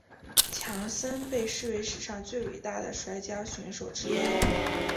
强森被视为史上最伟大的摔角选手之一。